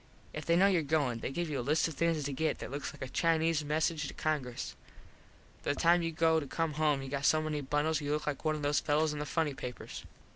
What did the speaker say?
If they know your goin they give you a list of things to get that looks like a Chinese Message to Congress. By the time you go to come home you got so many bundles you look like one of those fellos in the Funny Papers.